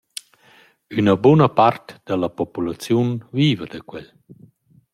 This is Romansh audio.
Üna buna part da la populaziun viva da quel.